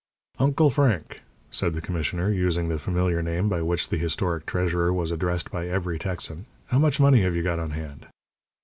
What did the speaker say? "Uncle Frank," said the commissioner, using the familiar name by which the historic treasurer was addressed by every Texan, "how much money have you got on hand?"